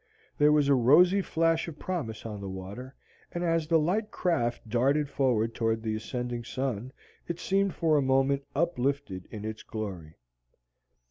There was a rosy flash of promise on the water, and as the light craft darted forward toward the ascending sun, it seemed for a moment uplifted in its glory.